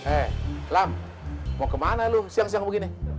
eh lam mau kemana lu siang siang begini